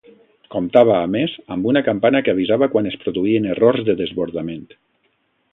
Comptava, a més, amb una campana que avisava quan es produïen errors de desbordament.